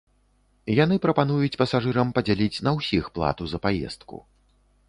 Яны прапануюць пасажырам падзяліць на ўсіх плату за паездку.